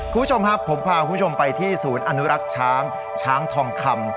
คุณผู้ชมครับผมพาคุณผู้ชมไปที่ศูนย์อนุรักษ์ช้างช้างทองคำ